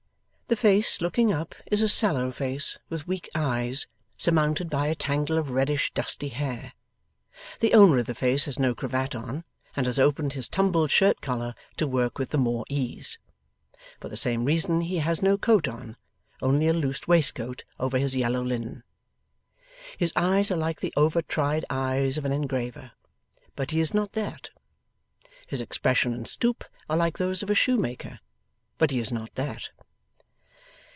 The face looking up is a sallow face with weak eyes, surmounted by a tangle of reddish dusty hair. The owner of the face has no cravat on, and has opened his tumbled shirt collar to work with the more ease. For the same reason he has no coat on: only a loose waistcoat over his yellow linen. His eyes are like the over tried eyes of an engraver, but he is not that; his expression and stoop are like those of a shoemaker, but he is not that.